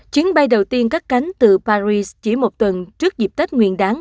chiến bay đầu tiên cắt cánh từ paris chỉ một tuần trước dịp tết nguyên đáng